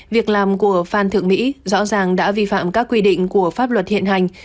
việc làm của phan thượng mỹ rõ ràng đã vi phạm các quy định của pháp luật hiện hành